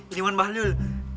ini wan bahliul